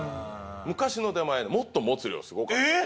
昔の出前もっと持つ量がすごかった。